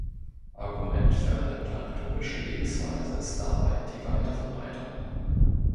Argument für eine planktonische Lebensweise ist dabei die weite Verbreitung.